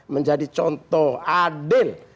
menjadi contoh adil